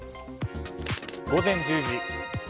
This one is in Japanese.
午前１０時。